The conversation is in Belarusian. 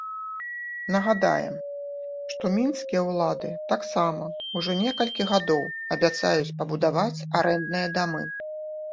Нагадаем, што мінскія ўлады таксама ўжо некалькі гадоў абяцаюць пабудаваць арэндныя дамы.